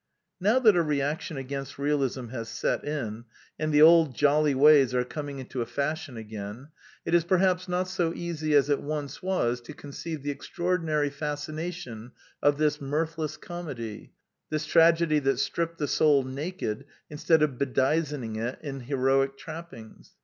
Now that a reaction against realism has set In, and the old jolly ways are coming into fashion The New Element 211 again; it is perhaps not so easy as it once was to conceive the extraordinary fascination of this mirthless comedy, this tragedy that stripped the soul naked instead of bedizening it in heroic trappings.